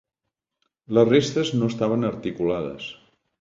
Les restes no estaven articulades.